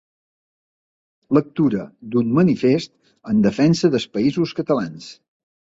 Lectura d'un manifest en defensa dels Països Catalans.